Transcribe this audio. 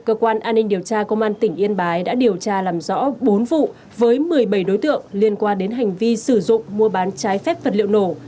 cơ quan an ninh điều tra công an tỉnh yên bái đã điều tra làm rõ bốn vụ với một mươi bảy đối tượng liên quan đến hành vi sử dụng mua bán trái phép vật liệu nổ